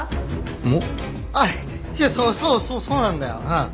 あっそうそうなんだよ。